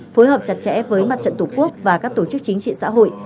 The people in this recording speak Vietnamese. phối hợp chặt chẽ với mặt trận tổ quốc và các tổ chức chính trị xã hội